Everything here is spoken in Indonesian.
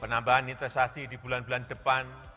penambahan investasi di bulan bulan depan